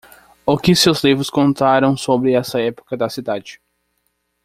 O que seus livros contaram sobre essa época da cidade?